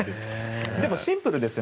でも、シンプルですよね。